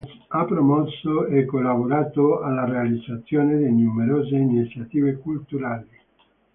Ha promosso e collaborato alla realizzazione di numerose iniziative culturali.